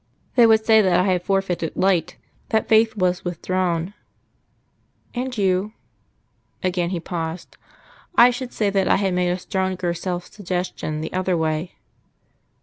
"They would say that I had forfeited light that Faith was withdrawn." "And you?" Again he paused. "I should say that I had made a stronger self suggestion the other way."